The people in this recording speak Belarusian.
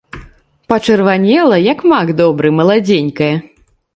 Пачырванела, як мак добры, маладзенькая.